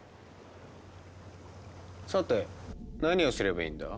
さて何をすればいいんだ？